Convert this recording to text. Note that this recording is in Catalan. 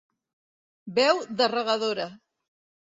Veu de regadora.